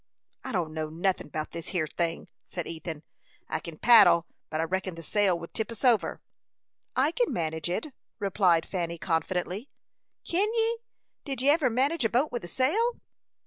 "I don't know nothin' about this hyer thing," said Ethan. "I kin paddle, but I reckon the sail would tip us over." "I can manage it," replied Fanny, confidently. "Kin ye? Did ye ever manage a boat with a sail?"